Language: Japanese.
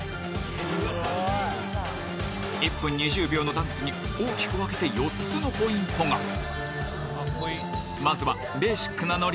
１分２０秒のダンスに大きく分けて４つのポイントが